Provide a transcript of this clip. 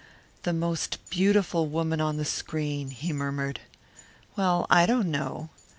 "The most beautiful woman on the screen," he murmured. "Well, I don't know."